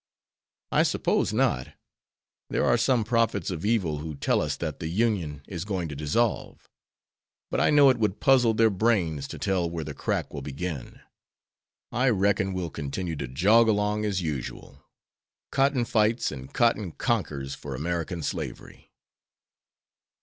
"I suppose not. There are some prophets of evil who tell us that the Union is going to dissolve. But I know it would puzzle their brains to tell where the crack will begin. I reckon we'll continue to jog along as usual. 'Cotton fights, and cotton conquers for American slavery.'"